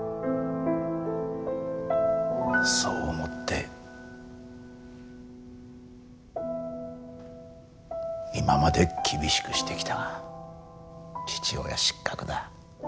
そう思って今まで厳しくしてきたが父親失格だ。